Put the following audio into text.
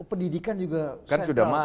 pendidikan juga sudah masuk